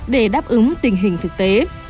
để đáp ứng tình hình thực tế